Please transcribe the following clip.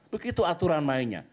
begitu aturan mainnya